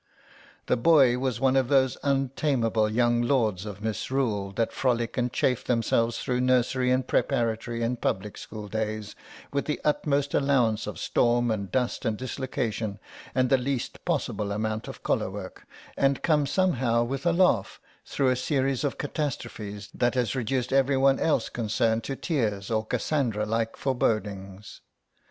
The boy was one of those untameable young lords of misrule that frolic and chafe themselves through nursery and preparatory and public school days with the utmost allowance of storm and dust and dislocation and the least possible amount of collar work, and come somehow with a laugh through a series of catastrophes that has reduced everyone else concerned to tears or Cassandra like forebodings.